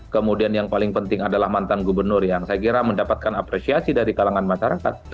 kemudian yang paling penting adalah mantan gubernur yang saya kira mendapatkan apresiasi dari kalangan masyarakat